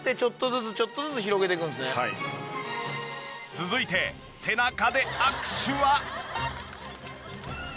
続いて背中で握手は。